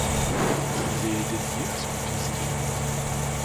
Il est dédié à son fils Denis.